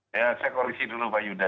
saya koalisi dulu pak yuda